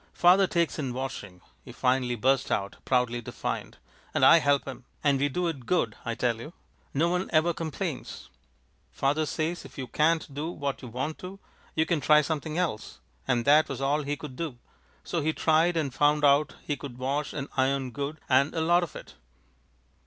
"Father takes in washing," he finally burst out, proudly defiant, "and I help him, and we do it good, I tell you! No one ever complains. Father says if you can't do what you want to, you can try something else, and that was all he could do, so he tried, and found out he could wash and iron good, and a lot of it!"